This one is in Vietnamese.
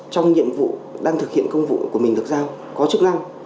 trong nhiệm vụ đang thực hiện công vụ của mình được giao có chức năng